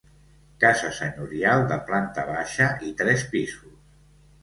Casa senyorial de planta baixa i tres pisos.